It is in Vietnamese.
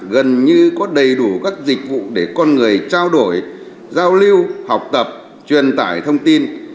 gần như có đầy đủ các dịch vụ để con người trao đổi giao lưu học tập truyền tải thông tin